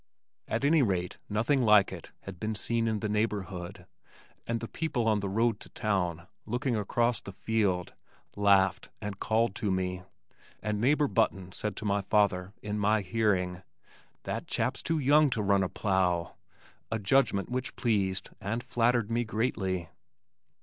At any rate nothing like it had been seen in the neighborhood and the people on the road to town looking across the field, laughed and called to me, and neighbor Button said to my father in my hearing, "That chap's too young to run a plow," a judgment which pleased and flattered me greatly.